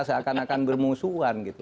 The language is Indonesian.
seakan akan bermusuhan gitu